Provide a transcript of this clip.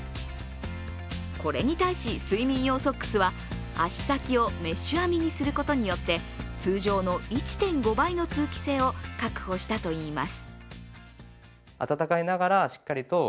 これに対し、睡眠用ソックスは足先をメッシュ編みにすることによって通常の１．５倍の通気性を確保したといいます。